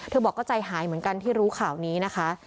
บอกก็ใจหายเหมือนกันที่รู้ข่าวนี้นะคะ